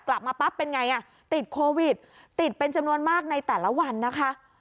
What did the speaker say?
กลับมาปั๊บเป็นไงอ่ะติดโควิดติดเป็นจำนวนมากในแต่ละวันนะคะ